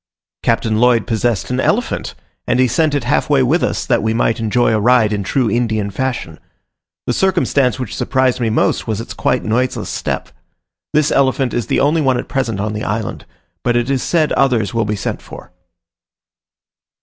Captain Lloyd possessed an elephant, and he sent it half way with us, that we might enjoy a ride in true Indian fashion. The circumstance which surprised me most was its quite noiseless step. This elephant is the only one at present on the island; but it is said others will be sent for.